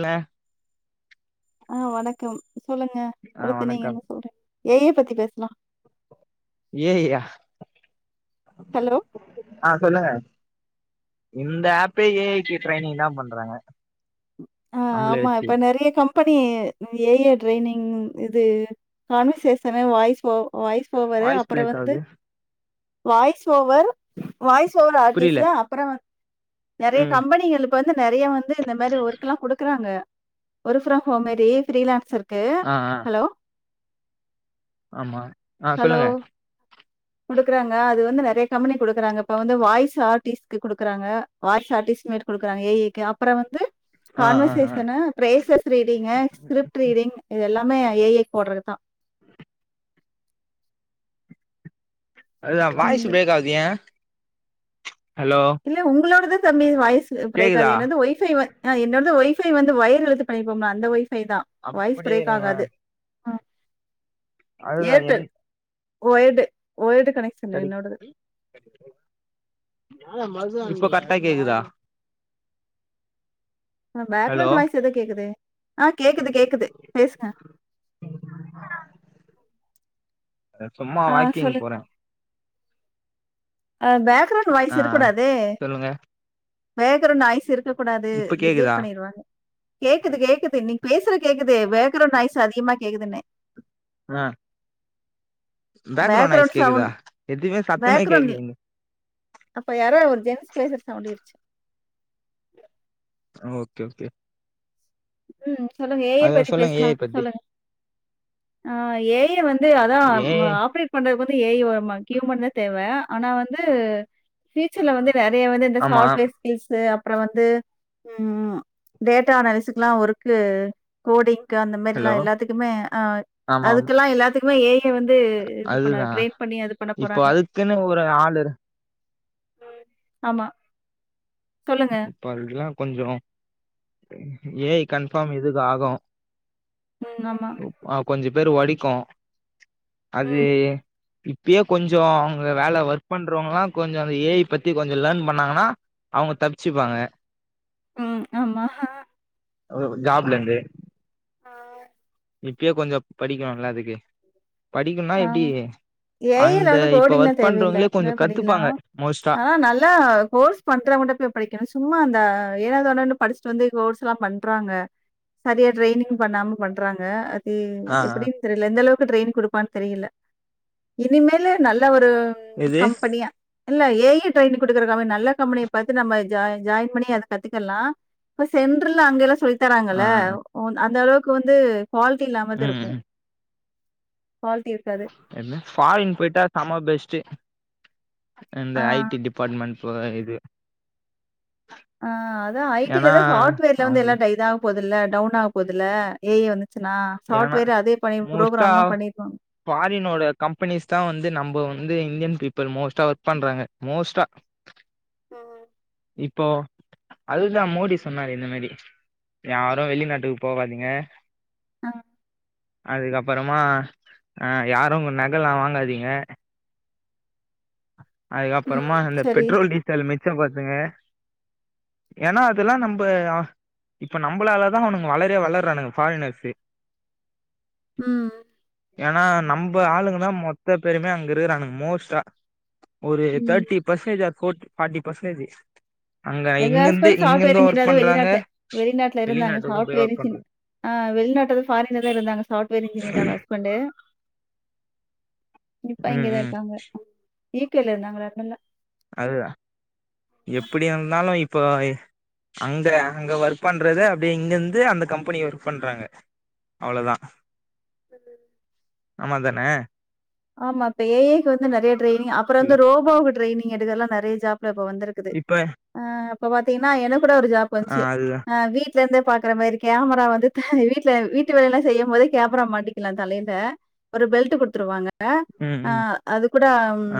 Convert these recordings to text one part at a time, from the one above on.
ன்ன ஆஹ் வணக்கம் சொல்லுங்க ஆ அடுத்து நீங்க வணக்கம் என்ன சொல்றீங்க ஏ ஐ பத்தி பேசலா ஏ ஐ யா ஹலோ! ஆஹ் சொல்லுங்க இந்த ஆப்பே ஏ ஐக்கு ட்ரைனிங் தா பண்றாங்க ஆஹ் நம்மள ஆமா வச்சு இப்ப நெறைய company A I training இது கான்வர்சேஷனா வாய்ஸ் வாய்ஸ் ஓவரு வாய்ஸ் அப்றோ பிரேக் வந்து ஆகுது voice over voice over artist புரியல அப்றோ நெறைய ம் கம்பெனிகளுக்கு வந்து நெறைய வந்து இந்த ஒர்க் எல்லா குடுக்குறாங்க ஒர்க் ப்ரம் ஹோம் மாரி ஃப்ரீ லான்சர் க்கு ஆ ஆ ஹலோ ஆமா ஆஹ் ஹலோ! சொல்லுங்க குடுக்குறாங்க அது வந்து நெறைய கம்பெனி குடுக்குறாங்க இப்ப வந்து வாய் ஆர்டிஸ்ட்கு குடுக்குறாங்க வாய்ஸ் ஆர்டிஸ்ட் மாரி குடுக்குறாங்க ஏ ஐ க்கு அப்பற வந்து ஆ ஆ ஆ conversation phrases reading script reading இது எல்லா எல்லாமே ஏ ஐ போடறது தா அதுலா வாய்ஸ் ம். பிரேக் ஆகுது ஏ ஹலோ இல்ல உங்களோடது தம்பி வாய்ஸ் சு கேக்குதா பிரேக்காது என்னது ஒய்ஃபை வந் அ என்னது ஒய் ஃபை வந்து ஒயர் இழுத்து பண்ணிருக்கல அந்த ஒய் ஃபைதா வாய்ஸ் அப்படியே பிரேக் இருங்களே ஆகாது ம். அதுதா என் ஒய்டு ஒயடுக் கடி [inaudible] ஆமா இப்போ கரெக்டா கேக்குதா ஆ ஹலோ பேக்ரவுண்ட் வாய்ஸ் எதோ கேக்குதே ஆ கேக்குது கேக்குது பேசுங்க அ சும்மா ஆ வாக்கிங சொல்லுங்க. போறே அ பேக்ரவுண்ட் வாய்ஸ் ஆ இருக்க கூடாதே சொல்லுங்க பேக்ரவுண்ட் நாய்ஸ் இரு ருக்க கூடாது இப்ப கேக்குதா ரிஜெக்ட் பண்ணிருவாங்க கேக்குது கேக்குது நீங் பேசுறது கேக் குது பேக்ரவுன்ட் நாய்ஸ் அதிகமா கேக் கேக்குதுன்னே ஆஹ் பேக்ரவுண்ட நாய்ஸ் பேக்ரவுண்ட் சவுண்ட் கேக்குதா எதுமே சத்தமே பேக்ரவுண்ட்ல கேக்லியேங்க அப்ப யாரோ ஒரு ஜென்ஸ் பேசுற சவுண்டு ஆஹ் ஓகே ஓகே உம்ஹ் சொல்லுங்க ஏஐ அத பத்தி சொல்லுங்க பேசலா ஏ ஐ பத்தி சொல்லுங்க ஆ ஏஐ வந்து அதா ஏ உம் ஐ ஆபரேட் பண்றது பத் து ஏஐ வ மக்கியமான தேவை ஆனா வந்து ஃபீச்சர்ல வந்து நெறைய வந்து இந்த ஆமா சாப்ட்வேர் ஸ்கில்ஸ்சு அப் அப்புறோ வந்து உம் டேட்டா அனாலிஸ்சு லா ஒர்கு கோடிங் க்கு அந்த மாரி எல்லா ஹலோ எல்லாத்துக்குமே ஆ ஆமா ஆமா அதுக்கெல்லா எல்லாத்துக் உ ஏ கே வந்து இது பண்ண அதுதான் ட்ரை பண்ணி அது பண்ண இப்போ போறாங்க அதுக்குன்னு ஒரு ஆள் இரு உம் ஆமா சொல்லுங்க பருகில்லா கொஞ்சோ ஏஐ கன்பாம் இதுதா ஆகு உம் ஆமா பேரு வடிக்கு அது ம் இப்பயே கொஞ்சோ அவுங்க வேல ஒர்க் பண்றவங்களா கொஞ்சோ அந்த ஏ ஐ பத்தி கொஞ்சோ லேர்ன் பண்ணாங்கனா அவுங்க தப்பிச்சுப்பாங்க உம் ஆமா ஜாப் ல இண்டு ஆஹ் இப்யே கொஞ்சோ படிக்கணு ல அதுக்கு படிக்கணும்னா எப்டி ஆஹ் ஏ ஐ ல அந்த வந்து இப்ப கோடிங்லா ஒர்க் தேவயில்ல பண்றவங்களே கொஞ்சோ அதாவே படிக்கலா கத்துப்பாங்க மோஸ்ட்டா ஆனா நல்லா கோர்ஸ் பண்றவங்கட்ட போய் படிக்கணு சும்மா அந்த ஏனா தானோனு படிச்சிட்டு வந்து கோர்ஸ்லா பண்றாங்க சரியா ட்ரைனிங் பண்ணாம பண்றாங்க இ ஆ எப்டின் தெரில எந்த அளவுக் கு ட்ரெயினிங் குடுப்பான் தெரியில இனிமேலு நல்ல ஒ ரு எது கம்பெனிய இல்ல ஏ ஐ ட்ரெயினிங் குடுக்குற நம்ம நல்ல கம்ப்பனிய பாத்து நம்ம ஜாய்ன் ஜாய்ன் பண்ணி அது கத்துக்கல்லா சென்ட்ருல அங்கெல்லா சொல்லி ஆ தராங்கல்ல ஒ அந்தளவுக் க்கு வந்து குவால்ட்டி இல்லாமத ம் இருக்கு ம். குவாலிட்டி இருக்காது என்ன ஃபாரின் போயிட்டா செம பெஸ்ட்டு இந்த ஆ ஐ டி டிபாட்மென் ப இது அ அதா ஐடில ஏன்னா தா சாவ்ட்வேர்ல வந்து எல்லா அவங்களுக்கு டைதா போதுல்ல டவுன் ஆக் போதுல்ல ஏஇ வந்து ஏனா மோஸ்டா பண்ணிருவாங்க. ஃபாரினோட கம்பெனிஸ் தா வந்து நம்ப ஒ வந்து இந்யன் பீப்புள் மோஸ்டா ஒர்க் பண்றாங்க மோஸ்ட்டா ம். இப்போ அது தா மோடி சொன்னாரே இந்த மேரி ம். யாரு வெளிநாட்டுக்கு போவாதீங்க ஆ. அதுக் அப்பறமா அ யாரு நக லா வாங்காதீங்க அதுக்கு ம். அப்றமா இந்த சரி. பெட்ரோல் டீசலுமே கபாத்துங்க ஏனா அதுலா நம்ப இப்ப நம்பளால தா அவனுங்க வளரே வளற்றானுங்க ஃபாரினர்ஸு ம் ஏனா நம்ப ஆளுங்க தா மொத்த பேருமே அங்க இருக்குறானுங் மோஸ்டா ஒரு ம். தேட்டி பஸ்னேஜ் ஆஃப் ஹோட் ஃபாட்டி பஸ்னேஜி எங்க ஹ்ஸ்பண்டு சாஃப்ட்வேர் இன்ஜினியரு பண்றாங்க வெளிநாட்ல வெளிநாட்ல இருந்தாங்க வெளிநாட்டுக்கும் போய் சாஃப்ட்வேர் ஒர்க் இச்சினு பண்றாங்க அ வெளிநாட்டது பாரின்லல தா இருந்தாங்க சாஃப்ட்வேர் இன்ஜினியர்ரா ஹஸ்பண்டு இப்பா ம் இங்கதா ம் இருக்காங்க ஈக்குல நாங்க [unintelligible] அதுதா எப்டியாருந்தாலு இப் போ அங்க அங்க ஒர்க் பண்றது அப்டியே இங்கேர்ந்து அந்த கம்பெனி ஒர்க் பண்றாங்க அவ்ளோதா [unintelligible] ஆமாந்தான ஆமா இப்ப ஏ ஐ க்கு வந்து நறையா ட்ரைய்னிங் அப்பறொ இல்ல வந்து ரோபோக்கு ட்ரைய்னி ங் எடுக்கல்லா நறைய ஜாப் இப்ப வந்துருக்குது இப்ப ஆ இப்ப பாத்தீங்னா எனக் கூட ஒரு ஜாப் ஆ வந்த்ச்சு அதுதா அ வீட் லேந்தே பாக்குற மாரி கேமரா வந்து த வீட்ல வீட்டு வேலையல்லா செய்யம் போதே கேமரா மாட்டிக்லா தலையில ஒரு பெல்ட்டு குட்த்ருவாங்க ஆ ம் ஆ ம் அதுக் கூட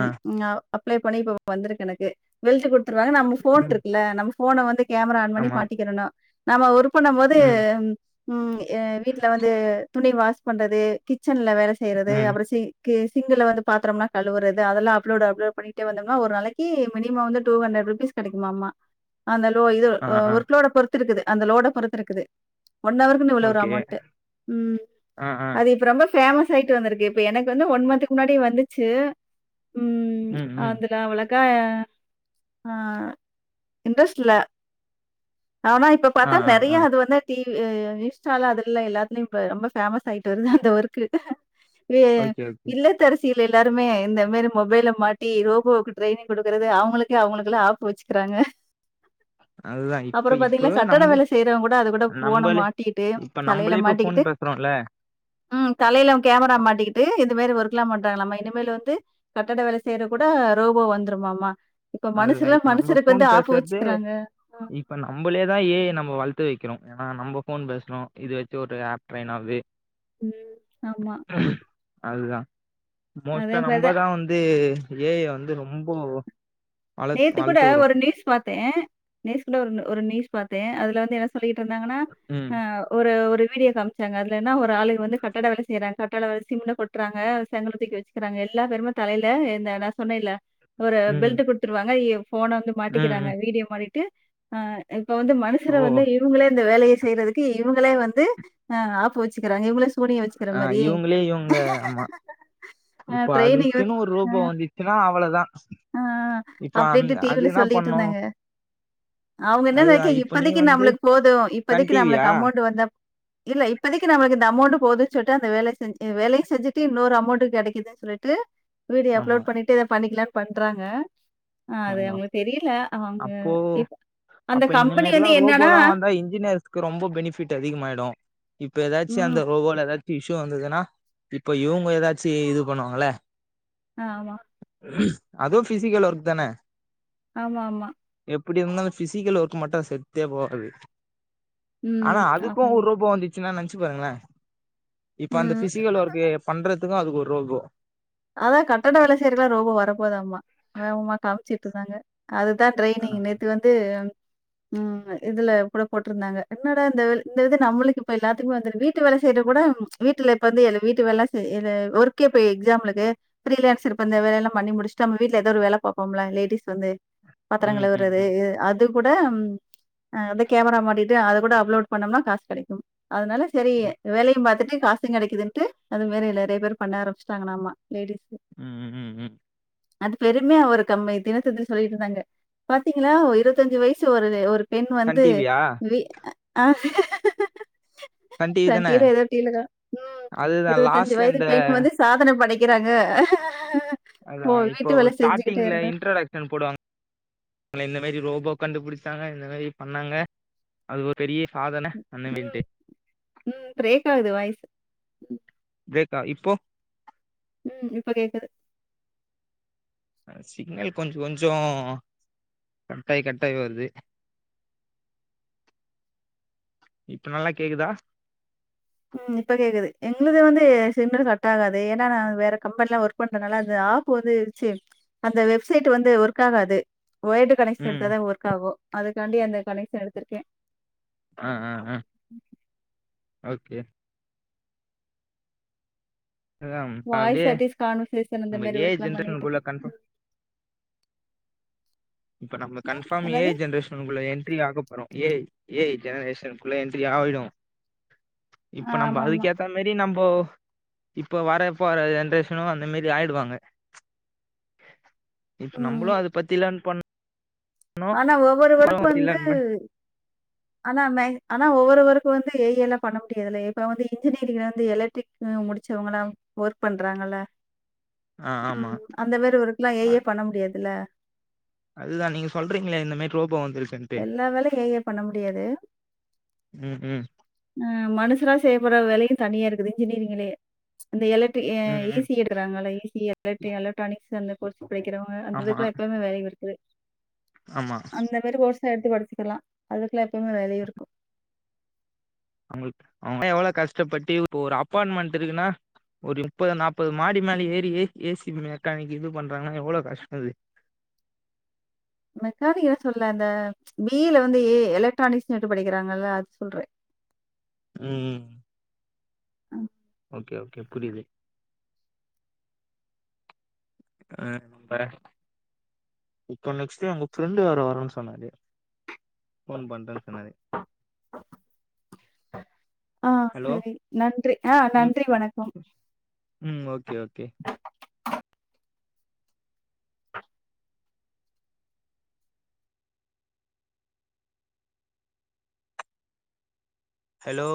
ஆ ஞ அப்ளே பண்ணி இப்ப வந்த்ருக்கு எனக்கு பெல்ட்டு குட் த்ருவாங்க நம்ம ஃபோன் ம் ருக்குல நம்ம ஃபோன வந்து கேமரா ஆன் பண்ணி ஆமா மாட்டிக்கிறணு நம்ம ஒர் பண்ணம் போது ம் ம் வீட்டுல வந்து துணி வாஷ் பண்றது [inaudible] கிட்சன் ல வேலை செய்யறது ம் அப்புறம் செய் சிங்கில வந்து பாத்திரம்லாம் கழுவுறது அதெல்லாம் அப்லோட் அப்லோட் பண்ணிட்டே வந்தம்னா ஒரு நாளைக்கு மினிமம் வந்து டூ ஹண்ட்ரட் ருபீஸ் கிடைக்குமாமா அந்த இது ஆ ஆ ஒர்க்லோட பொறுத்து த்து இருக்குது அந்த லோட பொறுத்து இருக்குது ஒன்னவருக்குன்னு இவ்வளவு ஒரு ஓகே அமௌண்ட் ம் ஆ ஆ அது இப்ப ரொம்ப ஃபேமஸ் சைட்டு வந்திருக்கு இப்ப எனக்கு வந்து ஒன் மந்த்க்கு முன்னாடியே வந்துச்சு ம் அதுல அவ்ளக்கு ஆ இன்ட்ரெஸ்ட் இல்ல ஆனா இப்ப ஆ பார்த்தா ஆ நிறைய ஆ அது வந்து இது இன்ஸ்டா அதுலெல்லாம் எல்லாத்துலயு இப்ப ரொம்ப ஃபேமஸ் ஆயிட்டு வருது அந்த ஒர்க்கு வே ஓகே ஓகே இல்லத்தரசி இது எல்லாருமே இந்த மாரி மொபைல மாட்டி ரோபோக்கு ட்ரைனிங் குடுக்குறது அவங்களுக்கே அவங்களுக்கு லா ஆப்பு வச்சுக்குறாங்க அதுதா அப்பறொ இப்ப இப்போ பாத்தீங்னா கட்டட நம்ப வேல செய்றவங் கூட அத கூட ஃபோன நம்பளே மாட்டிய்ட்டு இப்ப தலையில நம்பளே இப்ப ஃபோன் மாட்டிக்கிட்டு பேசுறோம்ல ம் தலையில கேமரா மாட்டி ட்டு இந்த மாரி ஒர்க்லாம் பண்றாங்லாமே இனிமேலு வந்து கட்டட வேல செய்ற கூட ரோபோ வந்துருமாமா இப்ப அதுதா மனுஷர்லாம் இப்ப நம்ப மனுஷருக்கு ஃபோன் வந்து ஆப்பு பேசற்தே வச்சுக்கிறாங்க. ஆ. இப்ப நம்பளேதா ஏ ஐ நம்ம வள் த்து வெக்கிறோ ஏன்னா நம்ப ஃபோன் பேஸ்றோ இது வச்சு ஒரு ஆப் ட்ரைனாவ்து ம் ஆமா அதுதா அதே மோஸ்ட்டா மாரி தான். நம்பதா வந்து ஏ ஐ வந்து ரொம்போ நேத்து கூட ஒரு நியூஸ் பாத்தேன் நியூஸ் கூட ஒரு ஒரு நியூஸ் பாத்தேன் அதுல வந்து என்ன சொல்லி ட்டிர்ந்தாங்கன்னா ம் ஆ ஒரு ஒரு வீடியோ காமிச்சாங்க அதுல என்ன ஒ ஆளுக வந்து கட்டட வேல செய்றாங் கட்டட வேல சிம்ட கொட்றாங்க செங்கல தூக்கி வச்சுக்குறாங்க எல்லா பேருமே தலையில இந்த நா சொன்னே ல ஒரு ம் பெல்ட் போட் கய்யோ போன வந்து ம் மாட்டிக்கிறாங்க ம் வீடியோ மாட்டிட்டு ஆஹ் இப்ப வந்து மனுஷர ஓ வந்து இவுங்களே இந்த வேலைய செய்றதுக்கு இவுங்களே வந்து ஆ ஆப்பு வச்சுக்குறாங்க இவுங்கள ஆஹ் இவங்களே இவங்க அம்மா ஆ இப்ப அதுக்குன்னு ஒரு ரோபோ வந்துச்சுனா அவ்வளோ ஆஹ் அப்டின்ட்டு அது டிவில என்னா பண்ணு சொல்லீட்டிருந்தாங்க அவ்ங்க என்ன அதுதா நெனைக்கிறாங்க இப்ப நீ இப்பதிக்கு வந்து நம்மளுக்கு போதும் சன் இப்பதிக்கு டிவியா நம்மளுக்கு அமௌண்ட் வந்தா இல்ல இப்பதிக்கு நம்மளுக்கு இந்த அமௌண்ட் போது சொல்ட்டு அந்த வேலைய செஞ் வேலயு செஞ்சுட்டு இன்னொரு அமௌண்ட் கெடைக்குதே சொல்லிட்டு வீடியோ ஆமா அப்லோட் பண்ணிட்டு இத பண்ணிக்லா பண்றாங்க ஆமா தெரியல. அவங்க அப்போ இப் அந்த அப்ப இந்த கம்பெனி மாரிலா வந்து என்னன்னா ரோபோல்லா வந்தா இன்ஜினியர்ஸ்க்கு ரொம்ப பெனிஃபிட் அதிகமாயிடு இப்ப எதாச்சு அந்த ம். ரோபோல எதாச்சு இ ஷ்யூ வந்ததுனா இப்ப இவ்ங்க எதாச்சு இது பண்ணுவாங்ள ஆ ஆமா அது ஃபிசிக்கல் ஒர்க் தானே ஆமா ஆமா இப்படி இருந்தாலு ஃபிசிக்கல் ஒர்க் மட்டும் செத்தே போறது ம். ஆனா ஆமா. அதுக்கும் ஒரு ரோபோ வந்துச் சுனா நெனச்சு பாருங்களே இப்ப அந்த ம். ஃபிசிக்கல் ஒர்க்கு பண்ற துக்கும் அதுக்கு ஒரு ரோபோ அதா கட்டட வேல செய்றக்கல்லா ரோபோ வரப்போதாமா வேகமா காமிச்சுட்ருந்தாங்க அதுதா ட்ரைனிங் நேத்து வந்து ம் இதுல கூட போட்ருந்தாங்க என்னடா இந்த வெல இந்த இது நம்மளுக்கு இப்ப எல்லாத்துக்மே வந்த்ரு வீட்டு வேல செய்றக் கூட வீட்டுல இப்ப வந்து எல வீட்டு வேலலா செய்ற ஒர்க்கே போய் எக்ஸாம்ல கே [unintelligible] செரி இப்ப இந்த வேலயெல்லா பண்ணி முடிச் ட்டு இப்ப நம்ம வீட்ல எதா ஒரு வேல பாப்போம்ல லேடிஸ் வந்து பாத்ரங் ம் ம் கழுவ்றது ம் இ அ அதுக் கூட ம் ஆ ந்து கேமரா மாட்டியிட்டு அதக் கூட அப்லோட் பண்ணோம்னா காஸ் கெடைக்கு அதனால சரி வேலையும் பாத்துட்டு காசு கெடைக்கிதுன்ட்டு அது மாரி நறைய பேர் பண்ண ஆரம்பிச்சுட்டாங்களாமா லேடி ம் ம் ம் ம் அது பெருமையா ஒரு கம்மு தினத்தந்தி சொல்லியிட்ருந்தாங்க பாத்தீங்களா இருவத்தஞ்சு வைசு ஒரு ஒரு பெண் சன் வந்து டிவியா வீ அ டிவி சன் தான டீல ஏதோ டீல கா ம் அதுதா இருவத்தஞ்சு லாஸ்ட்ல வயது இந்த பெண் வந்து சாதனை படை க்கிறாங்க அதா இப்போ ஸ்டாட்டிங்ல இருந்தார். இன்ட்ரோடக்ஷன் போடுவாங் [inaudible] மேரி ரோபோ கண்டுப்புடிச்சாங்க இந்த மேரி பண்ணாங்க அது ஒர் பெரிய சாதன ம் அந்தமேரின்ட்டு ம் ப்ரேக் ஆவுது வாய்சு ம் ப்ரேக்கா இப்போ ம் இப்ப கேக்குது சிக்னல் கொஞ்சொ கொஞ்சொ கட்டாய் கட்டாயி வருது இப்ப நல்லாக் கேக்குதா ம் இப்ப கேக்குது எங்ளுது வந்து சிம்மு கட் ஆகாது ஏன்னா நா வேற கம்பெனிலா ஒர்க் பண்றனால அந்த ஆப் வந்து வச்சு அந்த வெப்சைட் வந்து ஒர்க் ஆகாது ஒயர்டு கனெக்ஷன் ம் எடுத்தாதா ஒர்க் ஆகு அதுக் காண்டி அந்த கனெக்ஷன் எடுத்துருக்கே அ அ அ ஓகே அதா அப்டியே வாய்சேட்டிஸ் காண்வர்சேஷன் அந்த நம்ம மேரி ஏ ஐ ஒர்க்குலா ஜென்ரேஷனுக்குள்ள பண்ணிகிட்ருக்கே கன்ஃபார்ம் இப்ப நம்ப கன்பார்ம் என்னது? ஏஜ் ஜென்ரேஷன் உக்குள்ள என்ட்ரி ஆக போறோ ஏஜ ஏஐ ஜனரேஷன் குள்ள என்ட்ரி ஆயிடு இப்ப நம்ப ஆமாமா. அதுக் ஏத்தா மேரி நம்ப் போ இப்ப வர போற ஜென்ரேஷனு அந்த மேரி ஆயிடுவாங்க இப் நம்புளு ம். அத பத்திலன் ஆனா ஒவ்வொருவருக்கு வந்து ஆனா மேக் ஆனா ஒவ்வொரு ஒர்க்கு வந்து ஏயி எல்லா பண்ண முடியாதுல்ல இப்ப வந்து இன்ஜினியரிங்ல வந்து எலட்ரிக் உ முடிச்சவுங்களா ஓர்க் பண்றாங்கல்ல ஆ ஆமா ம் அந்த மேரி ஒருக்லா ஏஏ பண்ண முடியாதுல அதுதா நீங்க சொல்றீங்களா இந்த மேரி ரோப் எல்லா வேலையு ஏ ஐ பண்ண முடியாது ம் ம் ஆஹ் மனுஷறா செய்யக்கூடாத வேலை தனியா இருக்குது இன்ஜினியரிங்லயே அந்த எலக்ட் அ ம் ஏ ம் சி எடுறாங்களல்ல ஏ சி எலக் எலக்ட்ரானிக்ஸ் அந்த பிழைக்கிறவங்க ஆமா அந்ததுக்கு எப்பவுமே வேல்யூ இருக்குதே ஆமா அந்த மாி கோ செரின்ட்டு படிச்சிக்கலா அதுக்கெல்லா எப்பயுமே வேல்யூருக்கு அவுங் அவுங்கெல்லா எவ்ளோவு கஷ்டப்பட்டு ஒரு அப்பார்ட்மெண்ட்ருக்குன்னா ஒரு முப்பது நாற்பது மாடி மேல ஏறி ஏசி மெக்கானிக் இது பண்றாங்கன்னா எவ்ளோவு கஷ்டோது மெக்கானிக்க சொல்லாத பி இல வந்து ஏ எலக்ட்ரானிக்ஸ் எட்டு படிக்கிறாங்கல்ல அது சொல்றே உம் ம் ஓகே ஓகே புரியுது [unintelligible] இப்போ நெக்ஸ்ட் உங்க ஃப்ரெண்டு் வேர வருன்னு சொன்னாரு ஃபோன் பண்றேன்னு சொன்னாரு ஆஹ் ஹலோ செரி நன்றி ஆஹ் ம் நன்றி வணக்கம் ம் ஓகே ஓகே ஆஹ ஹலோ